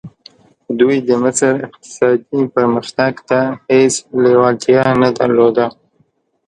دوی د مصر اقتصادي پرمختګ ته هېڅ لېوالتیا نه درلوده.